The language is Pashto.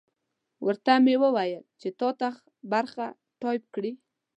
ورته مې وویل چې پاته برخه ټایپ کړي.